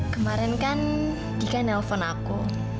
kemarin kan gika nelpon aku